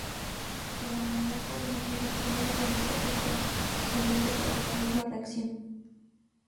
El amoníaco líquido puede utilizarse como solvente para la misma reacción.